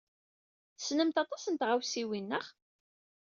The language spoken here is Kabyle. Tessnemt aṭas n tɣawsiwin, naɣ?